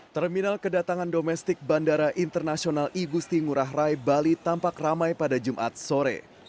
terminal kedatangan domestik bandara internasional igusti ngurah rai bali tampak ramai pada jumat sore